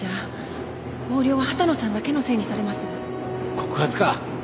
告発か。